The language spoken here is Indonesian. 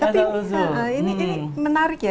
tapi ini menarik ya